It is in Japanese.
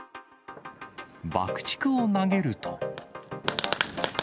爆竹を投げると。